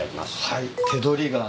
はい。